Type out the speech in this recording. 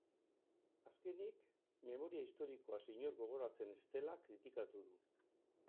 Azkenik, memoria historikoaz inor gogoratzen ez dela kritikatu du.